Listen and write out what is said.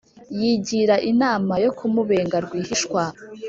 yigira inama yo kumubenga rwihishwa